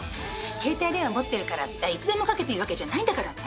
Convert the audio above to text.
携帯電話持ってるからっていつでもかけていいわけじゃないんだからね。